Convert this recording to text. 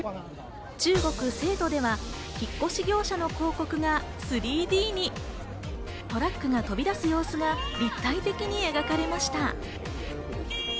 中国の成都では引っ越し業者の広告が３Ｄにトラックが飛び出す様子が立体的に描かれました。